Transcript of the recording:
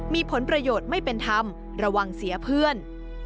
มีผลประโยชน์ไม่เป็นธรรมระวังเสียเพื่อน